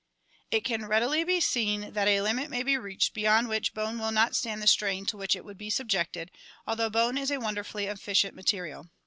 It can readily be seen that a limit may be reached beyond which bone will not stand the strain to which it would be subjected, although bone is a wonderfully efficient material.